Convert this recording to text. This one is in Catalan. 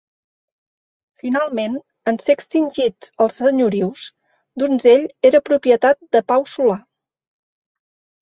Finalment, en ser extingits els senyorius, Donzell era propietat de Pau Solà.